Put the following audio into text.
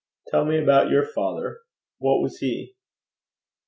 'Tell me about your father. What was he?'